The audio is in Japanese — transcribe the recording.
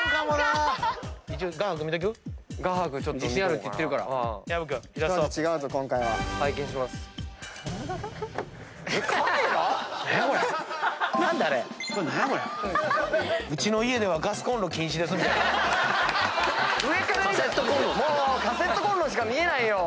上から見たもうカセットコンロにしか見えないよ。